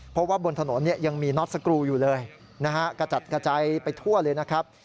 เพราะว่าบนถนนเนี่ยยังมีน็อตสกรูอยู่เลยนะฮะกระจัดกระจายไปทั่วเลยนะครับ